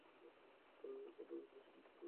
বর্ণনাটির সনদ ত্রুটিমুক্ত।